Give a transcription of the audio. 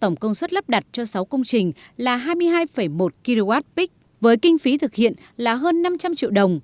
tổng công suất lắp đặt cho sáu công trình là hai mươi hai một kwp với kinh phí thực hiện là hơn năm trăm linh triệu đồng